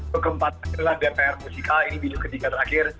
keempat adalah dpr musical ini video ketiga terakhir